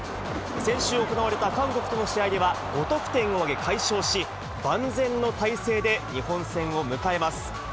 先週行われた韓国との試合では、５得点を挙げ、快勝し、万全の態勢で日本戦を迎えます。